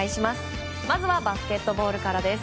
まずはバスケットボールからです。